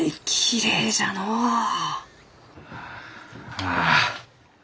ああ。